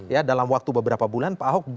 ya dalam waktu beberapa bulan pak ahok